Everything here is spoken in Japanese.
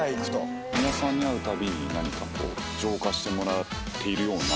美輪さんに会うたびに何かこう浄化してもらっているような。